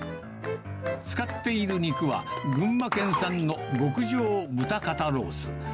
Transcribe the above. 使っている肉は、群馬県産の極上豚肩ロース。